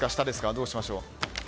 どうしましょう。